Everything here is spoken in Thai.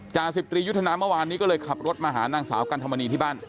จ่าสิบตรียุทธนาเมื่อวานนี้ก็เลยขับรถมาหานางสาวกันธรรมนีที่บ้าน